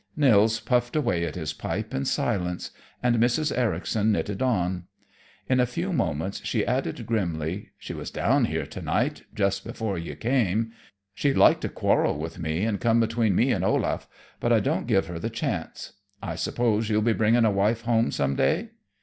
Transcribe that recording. Nils puffed away at his pipe in silence, and Mrs. Ericson knitted on. In a few moments she added grimly: "She was down here to night, just before you came. She'd like to quarrel with me and come between me and Olaf, but I don't give her the chance. I suppose you'll be bringing a wife home some day."